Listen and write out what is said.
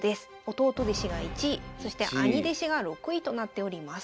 弟弟子が１位そして兄弟子が６位となっております。